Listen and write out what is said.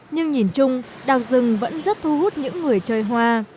nhưng nhìn chung đảo rừng vẫn rất thu hút những người chơi hoa